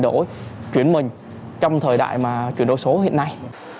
để chuyển mình trong thời đại mà chuyển đổi số hiện nay